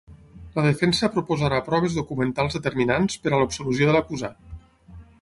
La defensa proposarà proves documentals determinants per a l'absolució de l'acusat.